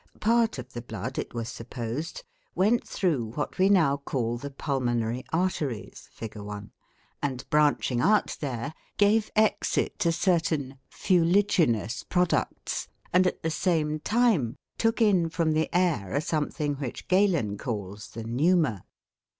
Part of the blood, it was supposed, went through what we now call the pulmonary arteries (Fig. 1), and, branching out there, gave exit to certain "fuliginous" products, and at the same time took in from the air a something which Galen calls the 'pneuma'.